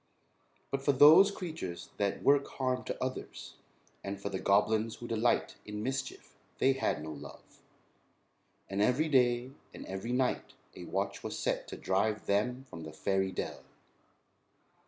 But for those creatures that work harm to others, and for the goblins who delight in mischief they had no love, and every day and every night a watch was set to drive them from the fairy dell.